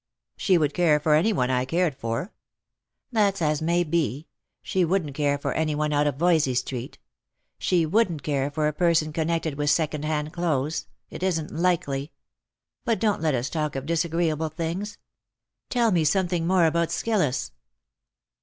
" She would care for any one I cared for." " That's as may be ; she wouldn't care for any one out of Voysey street ; she wouldn't care for a person connected with second hand clothes — it isn't likely. But don't let us talk of disagreeable things. Tell me something more about Skylous."